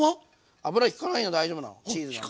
油ひかないの大丈夫なのチーズなんで。